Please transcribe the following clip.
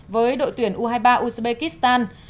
với đội tuyển u hai mươi ba uzbekistan